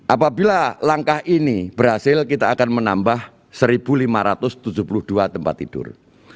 apabila langkah ini berhasil kita akan menambah satu lima ratus tujuh puluh dua tempat tidur